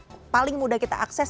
yang paling mudah kita akses